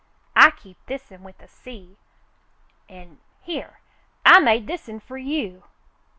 "I keep this'n with the sea — an' — here, I made this'n fer you."